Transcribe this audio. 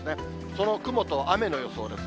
その雲と雨の予想です。